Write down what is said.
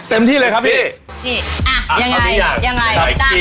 เต็มที่เลยครับพี่